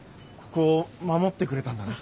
ここを守ってくれたんだな。